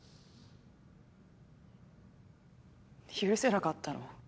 許せなかったの。